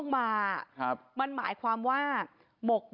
นี่ฉันก็เป็นคาตากรสิ